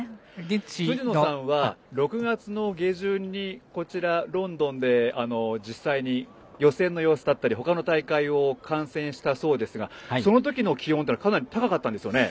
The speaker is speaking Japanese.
辻野さんは６月の下旬にこちら、ロンドンで実際に予選の様子だったり他の大会を観戦したそうですがそのときの気温というのはかなり高かったんですよね。